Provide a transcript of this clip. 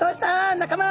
仲間。